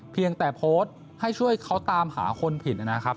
เพียงแต่โพสต์ให้ช่วยเขาตามหาคนผิดนะครับ